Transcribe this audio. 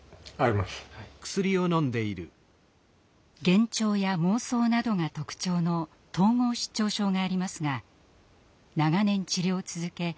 幻聴や妄想などが特徴の統合失調症がありますが長年治療を続け